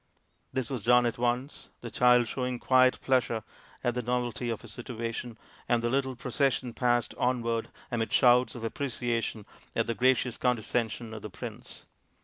This was done at once, the child showing quiet pleasure at the novelty of his situation, and the little procession passed onward amid shouts of apprecia tion at the gracious condescension of the prince.